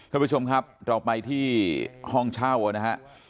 ท่านผู้ชมครับเราไปที่ห้องเช่านะฮะ